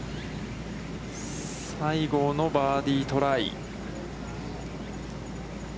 西郷のバーディートライ。